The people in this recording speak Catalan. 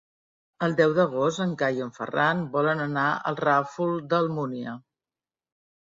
El deu d'agost en Cai i en Ferran volen anar al Ràfol d'Almúnia.